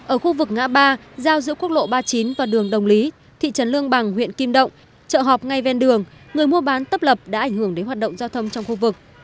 ở khu vực ngã ba giao giữa quốc lộ ba mươi chín và đường đồng lý thị trấn lương bằng huyện kim động chợ họp ngay ven đường người mua bán tấp lập đã ảnh hưởng đến hoạt động giao thông trong khu vực